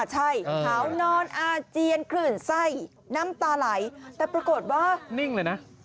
ใช่เผานอนอาเจียนคลื่นไส้น้ำตาไหล